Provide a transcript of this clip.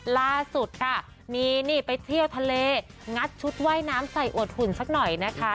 ล่าสุดค่ะมีนี่ไปเที่ยวทะเลงัดชุดว่ายน้ำใส่อวดหุ่นสักหน่อยนะคะ